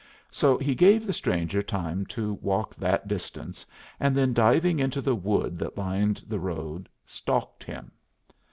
So, he gave the stranger time to walk that distance, and then, diving into the wood that lined the road, "stalked" him.